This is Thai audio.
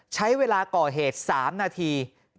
ใช้เวลาก่อเหตุ๓นาที